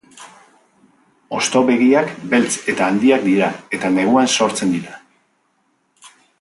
Hosto-begiak beltz eta handiak dira, eta neguan sortzen dira.